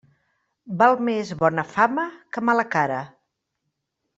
Val més bona fama que mala cara.